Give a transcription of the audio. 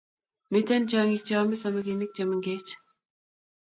miten tyongik cheome samaginik chemengech